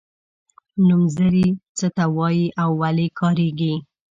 نومځري څه ته وايي او ولې کاریږي.